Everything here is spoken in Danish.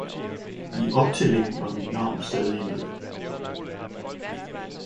I optællingen var mit navn stadig med.